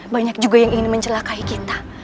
banyak juga yang ingin mencelakai kita